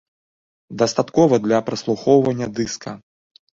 Дастаткова для праслухоўвання дыска.